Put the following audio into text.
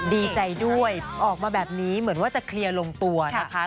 ดีใจด้วยออกมาแบบนี้เหมือนว่าจะเคลียร์ลงตัวนะคะ